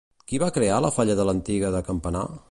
Qui va crear la falla de l'Antiga de Campanar?